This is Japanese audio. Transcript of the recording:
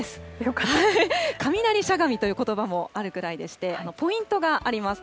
雷しゃがみということばもあるくらいでして、ポイントがあります。